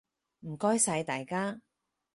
唔該晒大家！